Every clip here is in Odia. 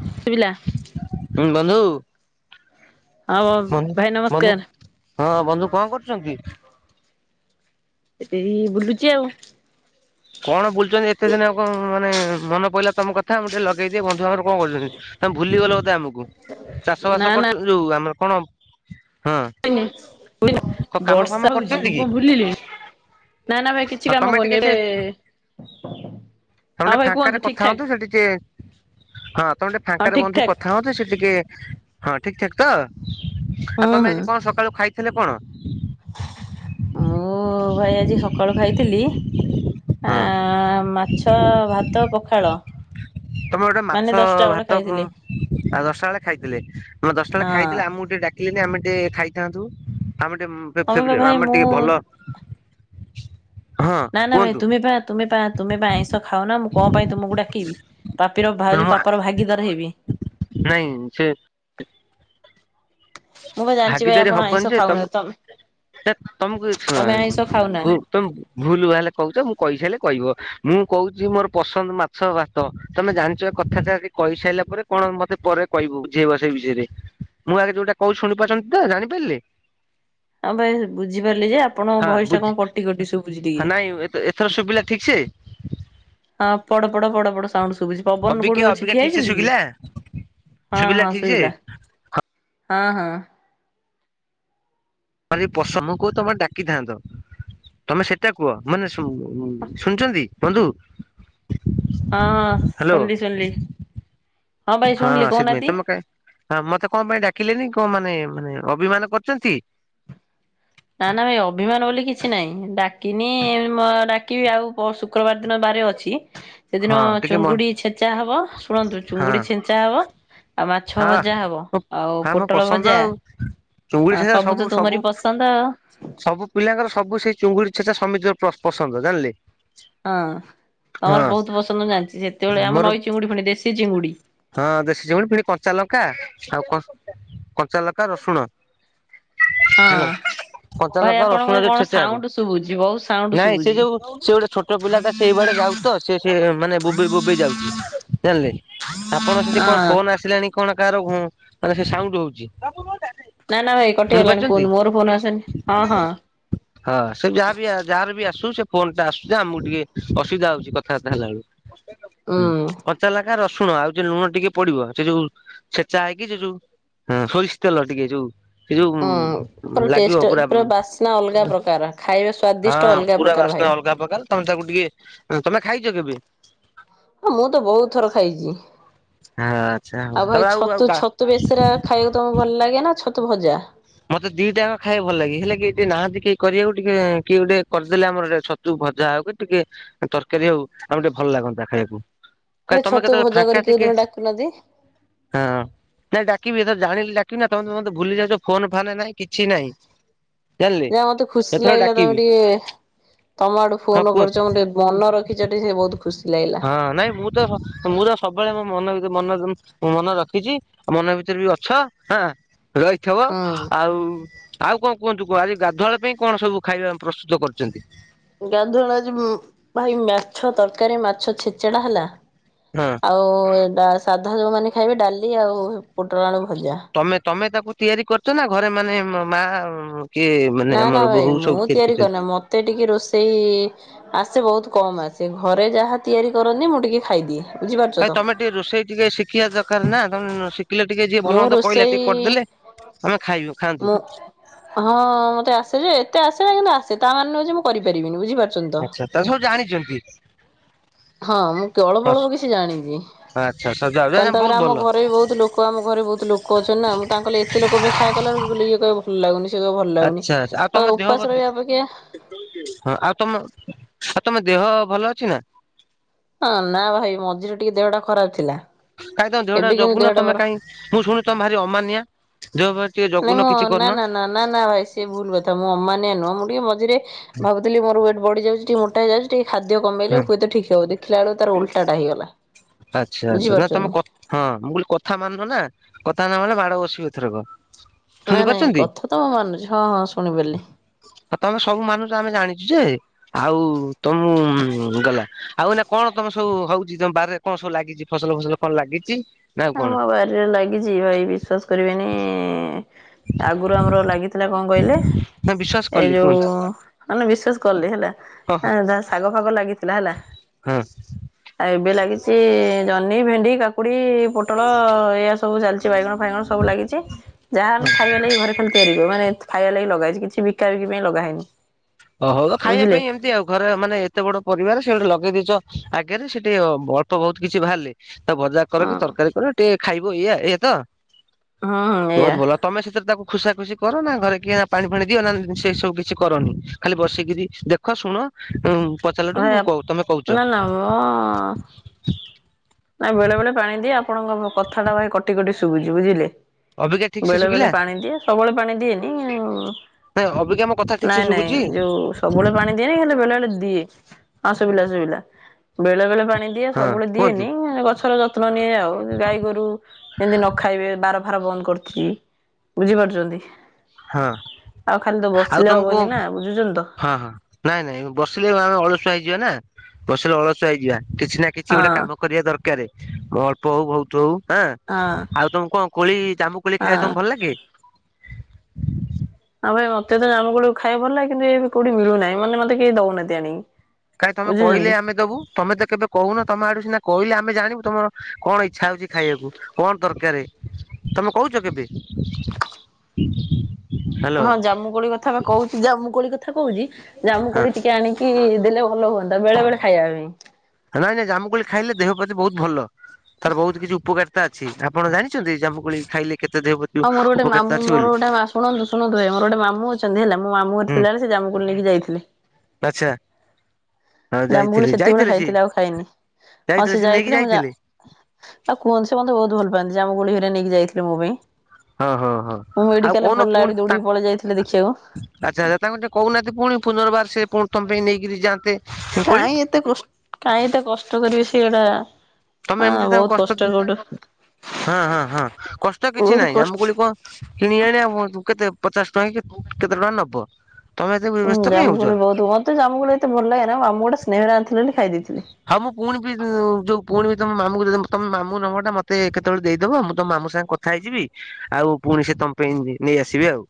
ହଁ ସେିଲା ହଁ ବନ୍ଧୁ ହଁ ବଧୁ ଭାଇ ନମସ୍କାର ବନ୍ଧୁ ହଁ ବନ୍ଧୁ କଣ କରୁଛନ୍ତି ସେେ ବୁଲୁଚ ଆଉ କଣ ବୁଲୁଛନ୍ତି ଏତେ ଦିନଣ ମାନେ ମନ ପଇିଲା ତମ କଥା ମୁଁ ଟିକେ ଲଗେଇଦିଏ ବନ୍ଧୁ ଆର କଣ କରୁଛନ୍ତି ତାମେ ଭୁଲିଗଲେ ବୋଧେ ଆମକୁ ଚାଷ ନା ବାସ ନା କରୁଛୁ ଯୋଉ ଆମର କଣ ହଁ ୁ କଣ କାମ ଫାମ ବର୍ଷା ହଉଛି କରୁଛନ୍ତି ମୁଁ କି କଣ ଭୁଲିଲି ନା ନା ଭାଇ ଆଉ କିଛି କାମ ତମେ ଟିକେ କରୁନି ସେ ଏବେ ତମେ ହଁ ଟେ ଭାଇ କୁହନ୍ତୁ ଫାଙ୍କ ଠିକ କଥା ଠାକ ହୁନ୍ତୁ ସେ ଟିକେ ହଁ ତମେ ଟେ ହଁ ଫାଙ୍କାରେ ଠିକ ବନ୍ଧୁ ଠାକ କଥା ହୁଅନ୍ତୁ ସେ ଟିକେ ହଁ ଠିକ ଠାକ ତ ହୁଁ ଆଉ ହୁଁ ତମେ ଆଜି କଣ ସକାଳୁ ଖାଇଥିଲେ କଣ ଓ ଭାଇ ଆଜି ସକାଳୁ ଖାଇଥିଲି ଆ ହଁ ମାଛ ଭାତ ପଖାଳ ତମେ ଗୋଟେ ମାନେ ମାଛ ଦଶଟା ବେଳେ ଭାତଉ ଖାଇଥିଲି ଦଶଟା ବେଳେ ଖାଇଥିଲେ ଆମେ ଦଶଟା ବେଳେ ହଁ ଖାଇଥିଲେ ଆମକୁ ଗୋଟେ ଦେଖିଲେ ଆମେ ଟିକେ ଖାଇଥାନ୍ତୁ ଆମେ ତମେ ବା ଟିକେ ଭାଇ ଆମର ମୁଁ ଟିକେ ଭଲ ହଁ ନା ଭାଇ କୁହନ୍ତୁ ତୁମି ପ ପାହା ତୁମେ ପା ତୁମେ ଆଇଁଷ ଖାଉ ନା ମୁଁ କଣ ପାଇଁ ତୁମକୁ ଡାକିବି ଶୁଣ ପାପିରଉ ମୁଁ ପାପର ଭାଗିଦାର ହେବି ନାଇଁ ସେ ମୁଁ ବା ଜାଣିଛି ଭାଇ ଭାଗିଦାରୀ ଆପଣ ଆଇଁଷ ହବନି ଯେ ଖାଉନା ତମେ ତମକୁ ଶଣ ତମେ ଆଇଁଷ ଖାଉନା। ତମେ ଭୁଲ ବା ହେଲେ କହୁଛ ମୁଁ କହିସାରିଲେ କହିବ ମୁଁ କହୁଛି ମୋର ପସନ୍ଦ ମାଛ ଭାତ ତମେ ଜାଣିଛ ଏ କଥାଟା କହିସାରିଲା ପରେ କଣ ମତେ ପରେ କହିବୁ ବୁଝେଇବ ସେଇ ବିଷୟରେ ମୁଁ ଆଗେ ଯୋଉଟା କୋଉ ଶୁଣିପାରୁଛନ୍ତି ତ ଜାଣିପାରିଲି ହଁ ଭାଇ ବୁଝି ପାରିଲି ଯେ ଆପଣଙ୍କ ଭୟସ ଟା ବୁଝି କଣ କଟି କଟି ସୁ ବୁଝି ଟିକେ [inaudible] ଏଥର ସବିଲା ଠିକଛ ହଁ ପଡ ପଡ ପଡ ପଡ ସାଉଣ୍ଡ ଶୁଭୁଛି ପବନ ଅବିକା କୋଉଠି ଅଛି ଅବିକା ଠିଆ ଠିକ ସେ ହେଇଛନ୍ତି କି ଶୁଭିଲା ହଁ ଶୁଭିଲା ହଁ ଠିକ ସେ ଶୋଇିଲା ହଁ ହଁ ତର ପସ ମୁ କହୁ ତମେ ଡାକିଥାନ୍ତ ତମେ ସେ କେତ କୁହ ମାନେ ଶୁଣଛନ୍ତି ବନ୍ଧୁ ହଁ ହ୍ୟାଲୋ ଶୁଣିଲଲି ଶୁଣିଲଲି ହଁ ସେଥିପାଇଁ ତମେ କ ମତେ କଣ ପାଇଁ ଡାକିଲେନି କଣ ମାନେ ମାନେ ଅଭିମାନ କରୁଛନ୍ତି ନା ନା ଭାଇ ଅଭିମାନ ବୋଲି କିଛି ନହିଁ ଡାକିନି ଡାକିବି ଆଉ ପଶୁ ଶୁକ୍ରବାର ଦିନ ବହାରେ ଅଛି ସେଦିନ ହଁ ଟିକେ ମ ଚୁଙ୍ଗୁଡ଼ି ଛେଚା ହବ ଶୁଣନ୍ତୁ ହଁ ଚୁଙ୍ଗୁଡ଼ି ଛେଚା ହବ। ଆଉ ମାଛ ହଁ ଭଜା ହବ ଆଉ ହଁ ମୋ ପୋଟଳ ପସନ୍ଦ ଭଜା ଆଉ ସବୁ ତ ତୁମରି ପସନ୍ଦ ହଁ। ସବୁ ପିଲାଙ୍କର ସବୁ ସେଇ ଚୁଙ୍ଗୁଡ଼ି ଛେଚା ସମିତିଙ୍କ ପସନ୍ଦ ଜାଣିଲେ। ହଁ ତମର ହଁ ବହୁତ ପସନ୍ଦ ଜାଣିଛି ସେତେବେଳେ ଆମର ମୋର ନଈ ଚିଙ୍ଗୁଡ଼ି ଫୁଣି ଦେଶୀ ଚିଙ୍ଗୁଡ଼ି ହଁ ଦେଶୀ ଚିଙ୍ଗୁଡ଼ି ଫିଣି କଞ୍ଚାଲଙ୍କା ଆଉ କ କଞ୍ଚାଲଙ୍କା, ରସୁଣ ହେଲା ହଁ। କଞ୍ଚା ଭାଇ ଲଙ୍କା, ଆପଣଙ୍କର ରସୁଣ ଯୋଉ କଣ ଛେଚା ହବ ସାଉଣ୍ଡ ଶୁଭୁଛି ବହୁତ ସାଉଣ୍ଡ ନାଇଁ ସେ ଶୁଭୁଛି ଯୋଉ ସେ ଗୋଟେ ଛୋଟ ଛୋଟ ପିଲାଟା ସେ ଏଇଆଡ଼େ ଯାଉଚି ତ ସେ ସେ ମାନେ ବୋବେଇ ବୋବେଇ ଯାଉଛି ଜାଣିଲେ। ଆପଣ ସେଠି କଣ ହଁ। ଫୋନ ଆସିଲାଣି କଣ କାହାର ହୁଁ ମାନେ ସାଉଣ୍ଡ ହଉଛି। ନା ନା ଭାଇ ଶୁଣି କଟିଗଲାଣି ପାରୁିଛନ୍ତି କୁହନ୍ତୁ ମୋର ଫୋନ ଆସେନି ହଁ ହଁ ହଁ ସେ ଯାହାବି ଆ ଯାହାର ବି ଆସୁ ସେ ଫୋନଟା ଆସୁଛି ଆମକୁ ଟିକେ ଅସୁବିଧା ହଉଛି କଥାବାର୍ତ୍ତା ହେଲା ବେଳକୁ। ହୁଁ, ଉଁ କଞ୍ଚା ଲଙ୍କା, ରସୁଣ ଆଉ ଯୋଉ ଲୁଣ ଟିକେ ପଡ଼ିବ ସେ ଯୋଉ ଛେଚା ହେଇକି ସେ ଯୋଉ ସୋରିଷ ତେଲ ଟିକେ ଯୋଉ ସେ ଯୋଉ ଉଁ। ପୁରା ଲାଗିବ ଟେଷ୍ଟ ପୁରା ବାସ୍ନା ଅଲଗା ଉଁ ପ୍ରକାର ଖାଇବା ସ୍ଵାଦିଷ୍ଟ ହଁ ଅଲଗା ପୁରା ପ୍ରକାର ବାସ୍ନା ଭାଇ। ଅଲଗା ହଁ ପ୍ରକାର ତମେ ତାକୁ ଟିକେ ଉଁ ତମେ ଖାଇଛ କେବେ? ହଁ ମୁଁ ତ ବହୁତ ଥର ଖାଇଛି। ହଁ ଆଚ୍ଛା ହଉ ଭାଇ ତମେ ଆଉ ଛତୁ ଆଉ ଖା ଛତୁ ବେସର ଖାଇବାକୁ ତମକୁ ଭଲ ଲାଗେ ନା ଛତୁ ଭଜା? ମତେ ଦିଟା ଖାଇବା ଭଲ ଲାଗେ ହେଲେ କିଏ ନାହାନ୍ତି କେ କରିବାକୁ ଟିକେ କିଏ ଗୋଟେ କରିଦେଲେ ଆମର ଛ ଯଉ ଭଜା ହଉ କି ଟିକେ ତରକାରୀ ହଉ ଆମ ଟିକେ ଭଲ ଲାଗନ୍ତା ଖାଇବାକୁ। କ ଗୋଟେ ତମେ ଛତୁ କେତେବେଳେ ଭଜା ଫାଙ୍କା କରି କୋଉ ଟିକେ ଦିନ ଡାକୁନାହାନ୍ତି। ହଁ ନାଇଁ ଡ଼ାକିବି ଏତର ଜାଣିଲେ ଡ଼ାକିବି ନା ତମେ ତ ମତେ ଭୁଲି ଯାଉଛ। ଫୋନ ଫାନେ ନାଇଁ କିଛି ନାଇଁ। ଯା ମତେ ଖୁସି ଲାଗିଲା ତମେ ଡାକିବି ଟିକେ ତମ ଆଡୁ ହଁ ଫୋନ କୁହନ୍ତୁ କରୁଛ ମତେ ମନ ରଖିଚ ଟିକେ ବହୁତ ଖୁସି ଲାଗିଲା। ହଁ ନାଇଁ ମୁଁ ତ ସ ମୁଁ ତ ସବୁବେଳେ ମୋ ମନଭିତରେ ମନ-ମନ ମୁଁ ମନ ରଖିଛି ମନ ଭିତରେ ବି ଅଛ ହଁ ରହିଥିବ ହଁ। ଆଉ ଆଉ କଣ କୁହନ୍ତୁ କୁହ ଆଜି ଗାଧୁଆଳ ପାଇଁ କଣ ସବୁ ଖାଇବା ପ୍ରସ୍ତୁତ କରୁଛନ୍ତି? ଗାଧୁଆଳ ଆଜି ଉଁ ଭାଇ ମାଛ ତରକାରୀ, ମାଛ ଛେଚେଡ଼ା ହେଲା ହଁ। ଆଉ ଡା ସାଧା ଯେଉଁମାନେ ଖାଇବେ ଡ଼ାଲି ଆଉ ପୋଟୋଳ ଆଳୁ ଭଜା। ତମେ ତମେ ତାକୁ ତିଆରି କରିଛ ନା ଘରେ ମାନେ ମାଆ ଉଁ କିଏ ମାନେ ଆମର ବୋହୁ ସବୁ ତିଆରି କରିଛନ୍ତି? ମୋତେ ଟିକେ ରୋଷେଇ ଆସେ ବହୁତ କମ୍ ଆସେ ଘରେ ଯାହା ତିଆରି କରନ୍ତିି ମୁଁ ଟିକେ ଖାଇଦିଏ। ବୁଝିପାରୁଛ ତ। ଖାଲି ତମେ ଟିକେ ରୋଷେଇ ଟିକେ ଶିଖିବା ଦରକାର ନା ତମେ ଶିଖିଲେ ଟିକେ ଯିଏ ଭଲ ମୁଁ ମନ୍ଦ କହିଲେ ରୋଷେଇ ଟିକେ କରିଦେଲେ ଆମେ ଖାଇଲୁ ଖାଆନ୍ତୁ। ମୁଁ ହଁ ମତେ ଆସେ ଯେ ଏତେ ଆସେ ନା କିନ୍ତୁ ଆସେ ତା ମାନେ ନୁହଁ ଯେ ମୁଁ କରିପାରିବିନି ବୁଝିପାର ଆଚ୍ଛା ତାହେଲେ ସବୁ ଜାଣିଛନ୍ତି? ହଁ ମୁଁ କେବକ ଫବଳ ମୁଁ କିଛି ଜାଣିଛି ଆଚ୍ଛା ସଜା କାନ୍ତ ବହୁତ ପୁରା ଆମ ଭଲ ଘରେ ବି ବହୁତ ଲୋକ ଲୋକ ଆମ ଘରେ ବହୁତ ଲୋକ ଅଛନ୍ତି ନା ମୁଁ ତାଙ୍କ ଲେ ଏତେ ଲୋକ ପାଇଁ ଖାଇବା କଲା ବେଳକୁ ଇଏ କହିବ ଭଲ ଲାଗୁନି ସେ କହିବ ଭଲ ଲାଗୁନି ଆଚ୍ଛା ଆଚ୍ଛା ଆଉ ତମ ଦେହ ଉପାସ ରହିବା ଅପେକ୍ଷା ହଁ ଆଉ ତମ ଆଉ ତମ ଦେହ ଭଲ ଅଛି ନା? ହଁ ନା ଭାଇ ମଝିରେ ଟିକେ ଦେହଟା ଖରାପ ଥିଲା। କାହିଁ ତମ ଦେହଟା ଏବେ କିନ୍ତୁ ଜଗୁନ ଦେହଟା ତମେ ମୋର କାଇଁ ମୁଁ ଶୁଣୁଛି ତମେ ଭାର ଅମାନିଆ ଦେହ ପ ନାଇଁ ମୁଁ ନା ନା ନା ନା ନା ଭାଇ ସିଏ ଭୁଲ କଥା ମୁଁ ଅମାନିଆ ନୁହଁ ମୁଁ ଟିକେ ମଝିରେ ଭାବୁଥିଲ ମୋର ୱେଟ ବଢ଼ିଯାଉଛି ଟିକେ ମୋଟା ହେଇଯାଉଛି ଟିକେ ଖାଦ୍ୟ ହଁ କମେଇଲେ ହୁଏତ ଠିକ ହେବ ବୋଧେ ଦେଖିଲା ବେଳକୁ ତାର ଉଲଟାଟା ହେଇଗଲା। ଆଚ୍ଛା, ଆଚ୍ଛା ନା ତମେ କ ବୁଝିପାରୁଛନ୍ତି ହଁ ମୁଁ କହିଲି କଥା ମାନୁନ ନା କଥା ନ ମାନିଲେ ମାଡ଼ ବସିବି ଏଥରକ। ନାଇଁ ନାଇଁ ଶୁଣିପାରୁଛନ୍ତି କଥା ତ ମୁଁ ମାନୁଛି ହଁ ହଁ ଶୁଣିି ପାରିଲି। ତମେ ସବୁ ମାନୁଚ ଆମେ ଜାଣିଛୁ ଯେ ଆଉ ତମ ଉଁ ଗଲା ଆଉ ଏଇନା କଣ ତମ ସବୁ ହଉଛି ତମ ବାରିରେ? କଣ ସବୁ ଲାଗିଛି ଫସଲ ଫସଲ କଣ ଲାଗିଛି ନା ଆଉ କଣ? ରେ ଲାଗିଛି ଭାଇ ବିଶ୍ଵାସ କରିବେନି। ଆଗରୁ ଆମର ଲାଗିଥିଲା କଣ କହିଲେ ନା ବିଶ୍ଵାସ ଏ କଲି ଯୋଉ କୁହନ୍ତୁ ମାନେ ବିଶ୍ୱାସ କଲି ହେଲା ହଁ ହଁ ଶାଗ ଫାଗ ଲାଗିଥିଲା ହେଲା। ହଁ ଆଉ ଏବେ ଲାଗିଛି ଜହ୍ନି ଭେଣ୍ଡି କାକୁଡି। ପୋଟଳ ଏଇୟଆ ସବୁ ଚାଲିଛି ବାଇଗଣ ଫାଇଗଣ ସବୁ ଲାଗିଛି। ଯାହା ଆମେ ଖାଇବା ଲାଗି ଘରେ ଖାଲି ତିଆରି କରୁ ମାନେ ଖାଇବା ଲାଗି ଲଗାହେଇଛି ବିକା ବିକି ପାଇଁ ଲଗାହେଇନି। ଓହ ହୋଉ ଖାଇବା ପାଇଁ ଏମିତି ଆଉ। ଘରେ ମାନେ ଏତେ ବଡ ପରିବାର ସେ ଗୋଟେ ଲଗେଇ ଦେଇଛ ଆଗରେ ସେଠି ଅଳ୍ପ ବହୁତ କିଛି ବାହାରିଲେ। ତା ଭଜା କର କି ହଁ ତରକାରୀ କର ଟିକେ ଖାଇବ ଏଇଆ ଏଇଆ ତ। ହଁ ହଁ ଏଇଆ। ତମ ସେଥିରେ ତାକୁ ଖୁସା ଖୁସି କର ନା ଘରେ କିଏ ନା ପାଣି ଫାଣି ଦିଅ ନା ସେ ସବୁ କିଛି କରନି। ଖାଲି ବସିକରି ଦେଖ ଶୁଣ ଉ। [unintelligible] ନା ନା ଅ। ନାଇଁ ବେଳେ ବେଳେ ପାଣି ଦିଏ ଆପଣଙ୍କ କଥାଟା ଭାଇ କଟି କଟି ଶୁଭୁଛି ବୁଝିଲେ। ଅବିକା ଠିକ୍ ସେ ବେଳେ ବେଳେ ଶୁଭିଲା ପାଣି ଦିଏ ସବୁବେଳେ ପାଣି ଦିଏନି ଉଁ। ହେଁ ଅବିକା ମୋ କଥା ଠିକ୍ ସେ ଶୁଭୁଛି? ଯୋଉ ସବୁବେଳେ ପାଣି ଦିଏନି ହେଲେ ବେଳେ ବଳେ ଦିଏ ହଁ ସୁଭିଲା ସୁଭିଲା ବେଳେ ବେଳେ ପାଣି ଦିଏ ହଁ ସବୁବେଳେ କୁହନ୍ତୁ। ଦିଏନି। ଗଛର ଯତ୍ନ ନିଏ ଆଉ ଗାଈ ଗୋରୁ ଯେମିତି ନ ଖାଇବେ ବାର ଫାର ବନ୍ଦ କରିଥିବି। ବୁଝିପାରୁଛନ୍ତି ଆଉ ଖାଲି ତ ଆଉ ବସିଲେ ତମକୁ ହବନି ନା ବୁଝୁଛନ୍ତି ତ। ହଁ ହଁ। ନାଇଁ ନାଇଁ ବସିଲେ ଆମେ ଅଳସୁଆ ହେଇଯିବା ନା ବସିଲେ ଅଳସୁଆ ହେଇଯିବା କିଛି ନା କିଛି ଗୋଟେ ହଁ। କାମ କରିବା ଦରକାର ଅଳ୍ପ ହଉ ବହୁତ ହଉ ହାଁ। ହଁ ଆଉ ତମକୁ କଣ କୋଳି ଜାମୁ କୋଳି ଖାଇବା ହଁ। ତମକୁ ଭଲ ଲାଗେ? ଆଉ ଭାଇ ମତେ ତ ଜମ୍ମୁ କୋଳକୁ ଖାଇବାକୁ ଭଲ ଲାଗେ କିନ୍ତୁ ଏବେ କୋଉଠି ମିଳୁ ନାହିଁ ମାନେ ମତେ କେହି ଦଉନାହାନ୍ତି ଆଣିକି। କାଇଁ ତମେ ବୁଝୁଛନ୍ତି। କହିଲେ ଆମେ ଦବୁ। ତମେ ତ କେବେ କହୁନ ତମ ଆଡୁ ସିନା କହିଲେ ଆମେ ଜାଣିବୁ ତମର କଣ ଇଚ୍ଛା ହଉଛି ଖାଇବାକୁ। କଣ ତରକାରୀ ତମେ କହୁଛ କେମିତି। [inaudible] [inaudible] ହଁ ଜାମୁ କୋଳି କଥାପା କହୁଛି ଜାମୁ କୋଳି କଥା କହୁଛି ଜାମୁ ହଁ କୋଳି ଟି କେ ଆଣିକି ଦେଲେ ଭଲ ହୁଅନ୍ତା ବେଳେ ବେଳେ ଖାଇବା ପାଇଁ। ନାଇଁ ନାଇଁ ଜାମୁ କୋଳି ଖାଇଲେ ଦେହ ପ୍ରତି ବହୁତ ଭଲ। ତାର ବହୁତ କିଛି ଉପକାରିତା ଅଛି ଆପଣ ଜାଣିଛନ୍ତି ଜାମୁକୋଳି ଖାଇଲେ କେତେ ଦେହ ପ୍ର ହଁ ମୋର ଗୋଟ ମାମୁ ମୋର ଗୋଟେ ଶୁଣନ୍ତୁ ଶୁଣନ୍ତୁ ମୋର ଗୋଟେ ମାମୁଁ ଅଛନ୍ତି ହେଲା ମାମୁ ଘରେ ଥିଲାବେଳେ ସେ ଜାମୁକୋଳି ନେଇକି ଯାଇଥିଲେ। ଆଛା। ଜମ୍ମୁ କୋଳି ସେତେବେଳେ ଖାଇଥିଲି ଆଉ ଖାଇନି ହଁ ସେ ଯାଇଥିଲେ ମୁଁ ଯା ଆଉ କୁହନ୍ତି ସେ ମତେ ବହୁତ ଭଲ ପାଆନ୍ତି ଜାମ୍ମୁ କୋଳି ହରୀଆ ନେଇକି ଯାଇଥିଲେ ମୋ ପାଇଁ। ହଁ ହଁ ହଁ। ମୁଁ ଆଉ ମେଡିକାଲରେ କହୁନ ପଡିଲା ପୁଣି ବେଳ ତା ଦୌଡିକି ପଳେଇ ଯାଇଥିଲେ ଦେଖିବାକୁ। ଆଚ୍ଛା ଆଚ୍ଛା ତାଙ୍କୁ ଟିକେ କହୁନାହାନ୍ତି ପୁଣି ପୁନର୍ବାର ସେ ପୁଣି ତମ ପାଇଁ ନେଇକରି ଯାଆନ୍ତୁ। କାହିଁ ଏତେ କସ କାହିଁ ଏତେ କଷ୍ଟ କରିବେ ସେଗଡ଼ା। ତମେ ଏମିତି ତାଙ୍କୁ କଷ୍ଟ ହଁ ହଁ ହଁ କଷ୍ଟ କିଛି ବହୁତ ନାହିଁ କଷ୍ଟ ଜାମୁକୋଳି କ କିଣି ଆଣିବାକୁ କୁହନ୍ତୁ କେତେ ପଚାଶ ଟଙ୍କା କି କେତେ ଟଙ୍କା ନବ। ତମେ ଏତେ ଉୁ ବ୍ୟସ୍ତ କାଇଁ ହଉଛ? ଜାମୁକୋଳି ବହୁତ ମତେ ଜାମୁକୋଳି ଏତେ ଭଲ ଲାଗେ ନା ମାମୁ ଗୋଟେ ସ୍ନେହ ରେ ଆଣିଥିଲେ ବୋଲି ଖାଇ ଦେଇଥିଲି। ହଁ ମୁଁ ପୁଣି ବି ଯୋଉ ପୁଣି ବି ତମ ମାମୁଙ୍କୁ ତମ ମାମୁଁ ନମ୍ବର ଟା ମତେ କେତେବେଳେ ଦେଇଦବ ମୁଁ ତମ ମାମୁ ସାଙ୍ଗେ କ ଖାଇଯିବି ଆଉ ପୁଣି ସେ ତମ ପାଇଁ ନେଇ ଆସିବେ ଆଉ।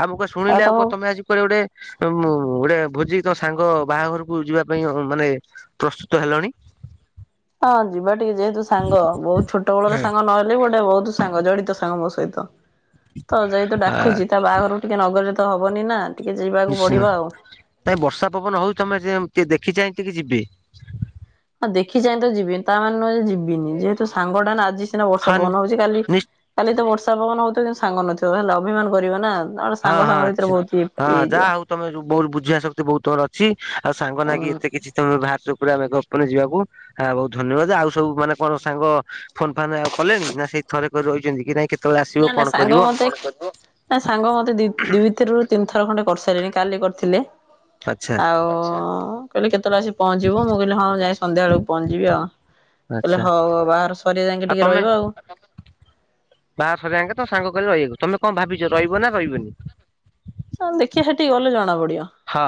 ଆଉ ମୁ କଣ ଶୁଣିଲେ ଆଉ କୁହ ତମେ ଆଜି କୁଆଡେ ଗୋଟେ ଗୋଟେ ଭୋଜି ତ ସାଙ୍ଗ ବାହାଘରକୁ ଯିବା ପାଇଁ ମାନେ ପ୍ରସ୍ତୁତ ହେଲଣି। ହଁ ଯିବା ଟିକେ ଯେହେତୁ ସାଙ୍ଗ ବହୁତ ଛୋଟ ବେଳର ହୁଁ। ସାଙ୍ଗ ନହେଲେ ଗୋଟେ ବହୁତ ସାଙ୍ଗ ଜଡିତ ସାଙ୍ଗ ମୋ ସହିତ ତ ଯହେତୁ ଆ ଡାକୁଛି ତା ବାହାଘରକୁ ଟିକେ ନଗରରେ ତ ହବନି ନା। ଟିକେ ଯିବାକୁ ନିଶ୍ଚିନ୍ତ ପଡ଼ିବ ଆଉ। ନାଇଁ ବର୍ଷା ପବନ ହଉଚି ଜେ ତମେ ଦେଖି ଚାହିଁ ଟିକେ ଯିବେ। ହଁ ଦେଖି ଚାହିଁ ତ ଯିବି ତା ମାନେ ନୁହେଁ ଯିବିନି ଯେହେତୁ ସାଙ୍ଗ ଟା ନା ଆଜି। ସିନା ବର୍ଷା ହଁ ପବନ ହଉଛି କାଲି ନି କାଲି ତ ବର୍ଷା ପବନ ହଉଥିବ କିନ୍ତୁ ସାଙ୍ଗ ନଥିବ ହେଲେ ଅଭିମାନ କରିବ ନା। ନହେଲେ ହଁ ସାଙ୍ଗ ହଁ ସାଙ୍ଗ ଭିତରେ ବହୁତ ଇ ହଁ ଇଏ ଯାହା ହେଇଯିବ। ହଉ ତମେ ଯୋଉ ବହୁତ ବୁଝିିବା ଶକ୍ତି ବହୁତ ତୁମର ଅଛି ଆଉ ସାଙ୍ଗ ନାଗି ଏତେ କିଛି ତମେ ବାହାରିଛ ପୁରା ମେଘ। ପବନେ ରେ ଯିବାକୁ। ହେଲା ବହୁତ ଧନ୍ୟବାଦ ଆଉ ସବୁ ମାନେ କଣ ସାଙ୍ଗ ଫୋନ ଫାନ୍ ଆଉ କଲେଣି ନା ସେଇ ଥରେ କରି ରହିଛନ୍ତି କି ନାଇଁ କେତେ। ନା ନା ସାଙ୍ଗ ମତେ। ନା ସାଙ୍ଗ ମତେ ଦି ଦିଇ ଥରରୁ ତିନିଥର ଖଣ୍ଡେ କରିସାରିଲିଣି କାଲି କରିଥିଲେ। ଆଚ୍ଛା ଆଉ କହିଲେ କେତେବେଳେ ଆସି ପହଞ୍ଚିବୁ ମୁଁ କହିଲି ହଁ ଯାଇ ସନ୍ଧ୍ୟା ବେଳକୁ ପହଞ୍ଚଯିବି ଆଉ। କହିଲେ ଆଚ୍ଛା। ହଉ ହଉ ବାହାଘର ସରିବା ଯାଙ୍କେ ଟିକେ ରହିବ ଆଉ। ବାହାଘର ସରିବା ଯାଙ୍କେ ତମ ସାଙ୍ଗ କହିଲେ ରହିବାକୁ ତମେ କଣ ଭାବିଛ ରହିବ ନା ରହିବନି। ହଁ ଦେଖିବା ସେଠିକି ଗଲେ ଜଣା ପଡିବ। ହଁ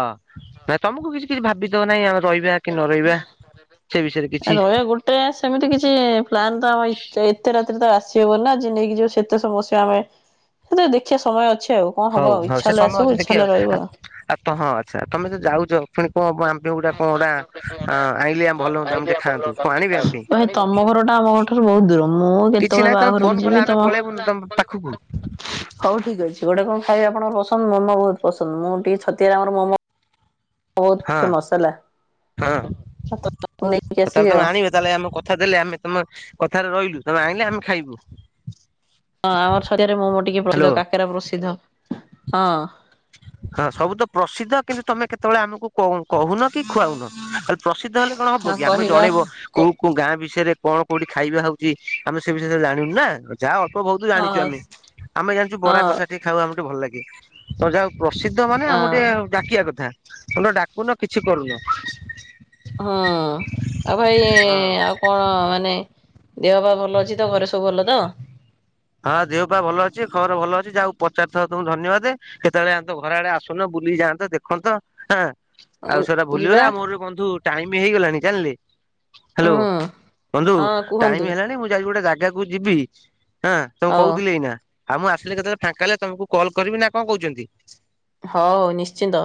ନା ତମକୁ କିଛି କିଛି ଭାବି ଥବ ନାହିଁ ଆମେ ରହିବା କି ନ ରହିବା ସେ ବିଷୟରେ କିଛି। ଏୟା ଗୋଟେ ଜା ସେମିତି କିଛି ପ୍ଲାନ୍ ତ ଆମ ଏତେ ରାତିରେ ତ ଆସିହବ ନା ଯିଏ ନେଇକି ଯିବ ସେ। ଏତେ ସମୟ ବସିବ ଆମେ ସେତେ ବେଳେ ଦେଖିବା ସମୟ ଅଛି ଆଉ କଣ ହଉ ହବ ଆଉ ଇଛା ହେଲେ ଆସିବୁ ଇଛା ହେଲେ ରହିବ ଆଉ। ଆ ତ ହଁ ଆଚ୍ଛା ତମେ ଯୋଉ ଯାଉଛ ଫୁଣି କଁ ଆମ ପାଇଁ ଗୁଟା କଣ ଗୁଟା ଆଁ ଆଣିଲେ ଆମ ଭଲ ହୁ ଆମେ ଟିକେ ଖାଆନ୍ତୁ କଣ ଆଣିବେ ଆମ ପାଇଁ ଭାଇ ତମ ଘର ଟା ଆମ ଘରଠାରୁ ବହୁତ ଦୂର ମୁଁ କିଛି କେତେବେଳେ ନାଇଁ ତମେ ଫୋନ ବାହାଘରକୁ କଲେ ଯିବି ଆମେ ତମ ପଳେଇବୁନୁ। ତମ ପାଖକୁ। ହଉ ଠିକ ଅଛି ଗୋଟେ କଣ ଖାଇବେ ଆପଣଙ୍କ ପସନ୍ଦ ମୋମୋ ବହୁତ ପସନ୍ଦ ମୁଁ ଟିକେ ଛତିଆରେ ଆମର ମୋମୋ। ମୋମୋ ବହୁତ ଫେମସ ହେଲା ଆଉ ତ ମୁ ନେଇକି ହଁ ତାହେଲେ ଆସିବି ତମେ ଆଉ। ଆଣିବେ ତାହେଲେ ଆମକୁ କଥା ଦେଲେ ଆମେ ତମେ କଥାରେ ରହିଲୁ ତମେ ଆଣିଲେ ଆମେ ଖାଇବୁ। ହଁ ଆମର ଛତିଆ ରେ ମୋମୋ ଟିକେ ହ୍ୟାଲୋ ପ୍ରସିଦ୍ଧ ହଁ କାକେରା ପ୍ରସିଦ୍ଧ ହଁ। ହଁ ସବୁ ତ ପ୍ରସିଦ୍ଧ କିନ୍ତୁ ତମେ କେତେବେଳେ ଆମକୁ। କ କହୁନ କି ଖୁଆଉନ ଖାଲି ପ୍ରସିଦ୍ଧ ହେଲେ କଣ ହବ ହଁ କି ଆମେ କହିବା ଜଣେଇବ। କ କୋଉ କୋଉ ଗାଁ ବିଷୟ ରେ କଣ କୋଉଠି ଖାଇବା ହଉଛି ଆମେ ସେ ବିଷୟରେ ସବୁ ଜାଣିବୁ ନା। ଯା ଅଳ୍ପ ବହୁତୁ ହଁ ଜାଣିଛୁ ଆମେ ଆମେ ଜାଣିଛୁ ବରା ହଁ କଷା ଟିକେ ଖାଇବାକୁ ଆମକୁ ଟିକେ ଭଲ ଲାଗେ ତ ଯା ପ୍ରସିଦ୍ଧ ମାନେ ଆମକୁ ହଁ ଟିକେ ଡାକିବା କଥା ତମେ ତ ଡାକୁନ କିଛି କରୁନ। ହୁଁ ଆଉ ଭାଇ ହଁ। ଆଉ। କଣ ମାନେ ଦେହ ପା ଭଲ ଅଛି ତ ଘରେ ସବୁ ଭଲ ତ। ହଁ ଦେହ ପା ଭଲ ଅଛି ଖବର ଭଲ ଅଛି ଯା ହଉ ପଚାରି ଥିବା ରୁ ତମକୁ ଧନ୍ୟବାଦ। କେତେବେଳେ ଆମ ତ ଘର ଆଡେ ଆସୁନ ବୁଲି କି ଯାଆନ୍ତ ଦେଖନ୍ତ ହାଁ। ଉଁ, ଆଉ ସେଗୁରା ଯିବା ଭୁଲିଗଲ ଆଉ ମୋର ବି ବନ୍ଧୁ ଟାଇମ ହେଇଗଲାଣି ଜାଣିଲେ। ହାଲୋ ହଁ ବନ୍ଧୁ ହଁ ଟାଇମ କୁହନ୍ତୁ ହେଲାଣି ମୁଁ ଯାଉଛି ଗୋଟା ଜାଗାକୁ ଯିବି ହାଁ। ତମକୁ ହଉ କହୁଥିଲି ଏଇ ନା ଆଉ ମୁଁ ଆସିଲେ କେତେବେଳେ ଫାଙ୍କା ହେଲେ ତମକୁ କଲ୍ କରିବି ନା କଣ କହୁଛନ୍ତି। ହଉ ନିଶ୍ଚିନ୍ତ।